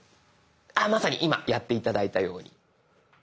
あまさに今やって頂いたように。